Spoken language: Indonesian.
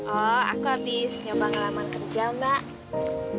oh aku habis nyobang lamar kerja mbak